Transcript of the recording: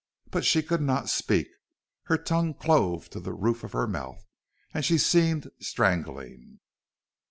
But she could not speak. Her tongue clove to the roof of her mouth and she seemed strangling.